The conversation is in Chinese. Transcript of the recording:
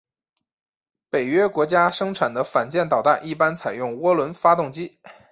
北约国家生产的反舰导弹一般采用涡轮发动机。